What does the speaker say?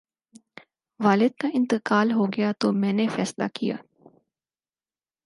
والد کا انتقال ہو گیا تو میں نے فیصلہ کیا